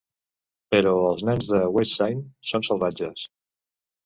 Però els nens del West Side... són salvatges.